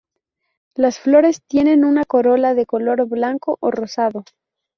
Las flores tienen una corola de color blanco o rosado.